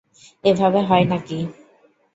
এভাবে হয় না-কি?